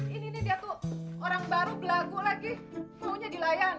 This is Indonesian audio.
ini nih datu orang baru belagu lagi maunya dilayanin